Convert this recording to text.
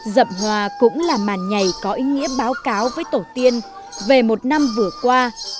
dậm hoa cũng là màn nhảy có ý nghĩa báo cáo với tổ tiên về một năm vừa qua